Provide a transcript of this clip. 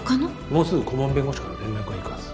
もうすぐ顧問弁護士から連絡がいくはず。